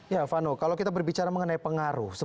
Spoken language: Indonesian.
ya vano kalau kita berbicara mengenai pengaruh